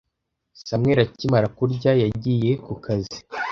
Samuel akimara kurya, yagiye ku kazi.